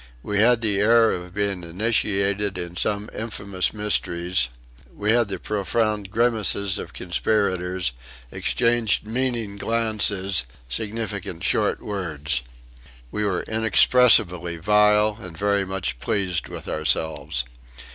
We had the air of being initiated in some infamous mysteries; we had the profound grimaces of conspirators, exchanged meaning glances, significant short words. We were inexpressibly vile and very much pleased with ourselves.